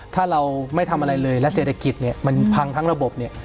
ถ้าเราไม่ทำอะไรเลยและเศรษฐกิจเนี่ยมันพังทั้งระบบเนี่ย